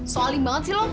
soalim banget sih lo